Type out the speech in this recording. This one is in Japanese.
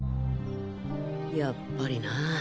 やっぱりな。